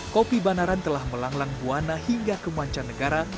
kopi banaran telah melanglang buana hingga kemancanegaraan